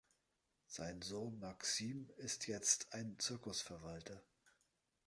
Sein Sohn Maxim ist jetzt ein Zirkus-Verwalter.